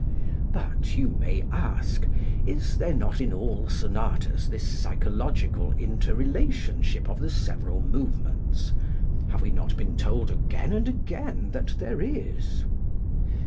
But, you may ask, is there not in all sonatas this psychological inter relationship of the several movements? Have we not been told again and again that there is?